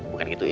bukan gitu im